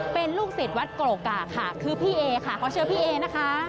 เป็นลูกศิษย์วัดโกกาค่ะคือพี่เอค่ะเขาเชื่อพี่เอนะคะ